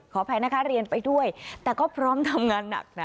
อภัยนะคะเรียนไปด้วยแต่ก็พร้อมทำงานหนักนะ